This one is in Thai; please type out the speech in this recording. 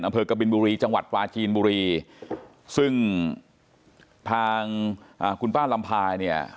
อำเภอกบินบุรีจังหวัดปลาจีนบุรีซึ่งทางคุณป้าลำพายเนี่ย